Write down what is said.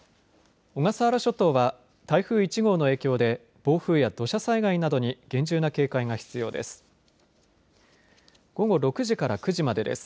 小笠原諸島は台風１号の影響で暴風や土砂災害などに厳重な警戒が必要です。